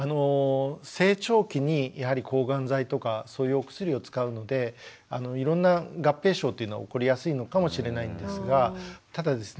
成長期にやはり抗がん剤とかそういうお薬を使うのでいろんな合併症っていうのは起こりやすいのかもしれないんですがただですね